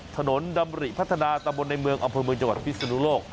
ถนนดำริพัฒนาตะบนในเมืองอำเภอเมืองจังหวัดพิศนุโลก